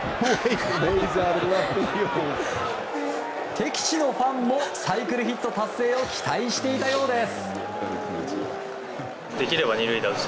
敵地のファンもサイクルヒット達成を期待していたようです。